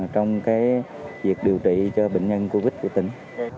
trong việc điều trị cho bệnh nhân covid của tỉnh